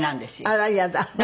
あら嫌だ。